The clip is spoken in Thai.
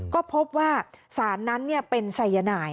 ก็พบว่าสารนั้นเป็นสายนาย